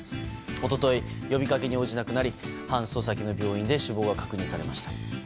一昨日、呼びかけに応じなくなり搬送先の病院で死亡が確認されました。